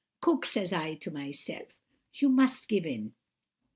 "'Cook,' says I to myself, 'you must give in.